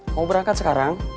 kamu berangkat sekarang